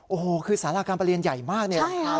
โอ้โหคือสาราการประเรียนใหญ่มากเนี่ย